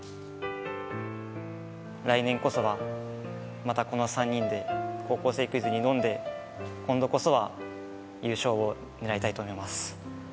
来年こそはまたこの３人で『高校生クイズ』に挑んで今度こそは優勝を狙いたいと思います。